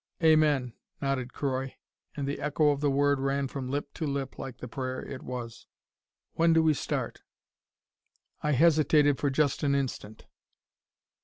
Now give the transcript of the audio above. "Amen," nodded Croy, and the echo of the word ran from lip to lip like the prayer it was. "When do we start?" I hesitated for just an instant.